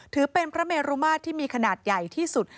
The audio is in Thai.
ถือเป็นพระเมรุมาตรที่มีขนาดใหญ่ที่สุด